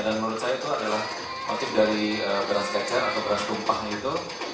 dan menurut saya itu adalah motif dari beras kecer atau beras rumpah itu yang menurut saya sangat indah